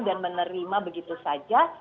dan menerima begitu saja